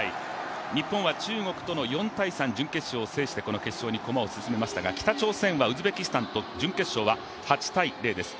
日本は中国との４−３、準決勝を制して、この決勝に駒を進めましたが、北朝鮮は準決勝、ウズベキスタンと８−０です。